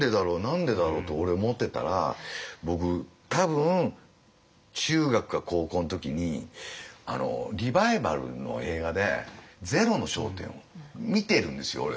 何でだろう？って俺思ってたら僕多分中学か高校の時にリバイバルの映画で「ゼロの焦点」を見てるんですよ俺。